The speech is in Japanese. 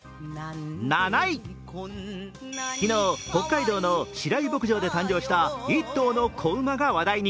昨日、北海道の白井牧場で誕生した１頭の子馬が話題に。